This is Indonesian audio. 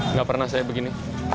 nggak pernah saya begini